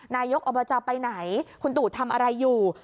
นายกอบจไปไหนคุณตู่ทำอะไรอยู่